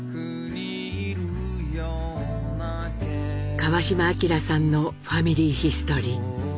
川島明さんのファミリーヒストリー。